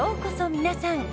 皆さん。